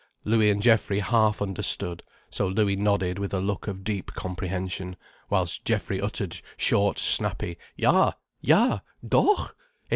Louis and Geoffrey half understood, so Louis nodded with a look of deep comprehension, whilst Geoffrey uttered short, snappy "Ja!—Ja!